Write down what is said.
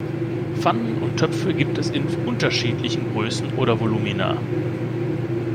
Pfannen und Töpfe gibt es in unterschiedlichen Größen oder Volumina.